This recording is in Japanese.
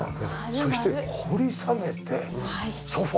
そして掘り下げてソファ。